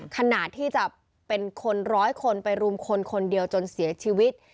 ขนาดที่จะเป็นคนร้อยคนไปรุมคนคนเดียวจนเสียชีวิต